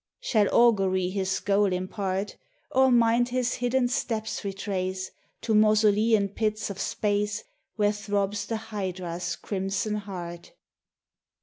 Shall augury his goal impart, Or mind his hidden steps retrace To mausolean pits of space Where throbs the Hydra's crimson heart?